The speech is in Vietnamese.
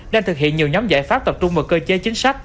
đang thực hiện nhiều nhóm giải pháp tập trung vào cơ chế chính sách